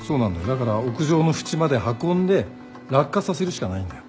だから屋上の縁まで運んで落下させるしかないんだよ。